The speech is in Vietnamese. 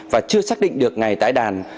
và chưa xác định được ngày tải đàn